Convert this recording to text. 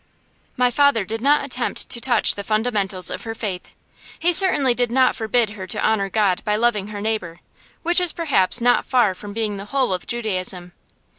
My father did not attempt to touch the fundamentals of her faith. He certainly did not forbid her to honor God by loving her neighbor, which is perhaps not far from being the whole of Judaism.